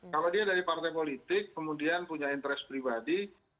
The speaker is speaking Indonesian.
kalau dia dari partai politik kemudian punya interest pribadi